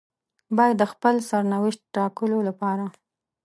بايد د خپل سرنوشت ټاکلو لپاره.